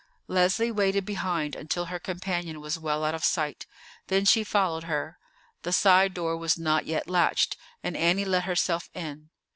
Leslie waited behind until her companion was well out of sight, then she followed her; the side door was not yet latched, and Annie let herself in.